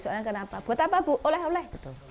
soalnya kenapa buat apa bu oleh oleh